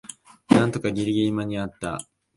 なんとかギリギリ間にあった